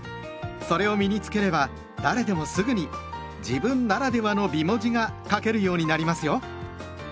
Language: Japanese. それを身に付ければ誰でもすぐに「自分ならではの美文字」が書けるようになりますよ。